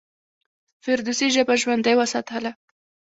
فردوسي ژبه ژوندۍ وساتله.